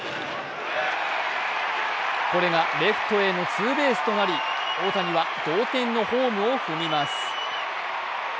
これがレフトへのツーベースとなり、大谷は同点のホームを踏みます。